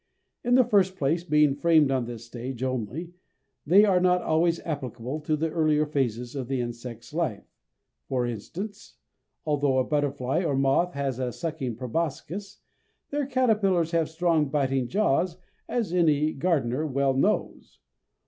In the first place, being framed on this stage only, they are not always applicable to the earlier phases of the insect's life for instance, although a butterfly or moth has a sucking proboscis, their caterpillars have strong biting jaws, as any gardener well knows.